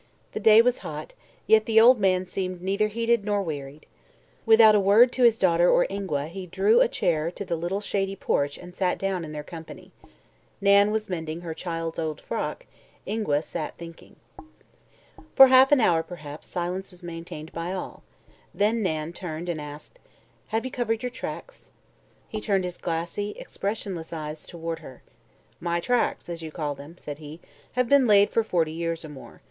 The day was hot, yet the old man seemed neither heated nor wearied. Without a word to his daughter or Ingua he drew a chair to the little shady porch and sat down in their company. Nan was mending her child's old frock; Ingua sat thinking. For half an hour, perhaps, silence was maintained by all. Then Nan turned and asked: "Have you covered your tracks?" He turned his glassy, expressionless eyes toward her. "My tracks, as you call them," said he, "have been laid for forty years or more.